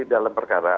dalam perkara ini ya